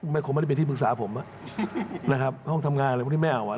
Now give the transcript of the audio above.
มันคงไม่ได้เป็นที่ปรึกษาผมนะครับห้องทำงานอะไรพวกนี้แม่เอาไว้